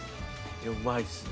うまいっすね。